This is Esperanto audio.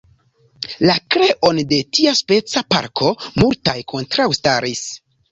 La kreon de tiaspeca parko multaj kontraŭstaris.